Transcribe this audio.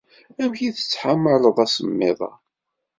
Amek tettḥamaleḍ asemmiḍ-a?